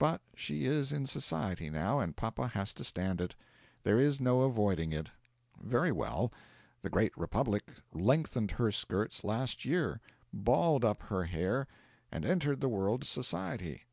But she is in society now; and papa has to stand it. There is no avoiding it. Very well. The Great Republic lengthened her skirts last year, balled up her hair, and entered the world's society.